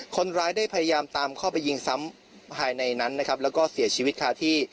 คนร้ายได้พยายามตามเข้าไปยิงซ้ำภายในนั้นนะครับแล้วก็เสียชีวิตคาที่